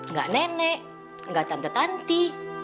nggak nenek nggak tante tante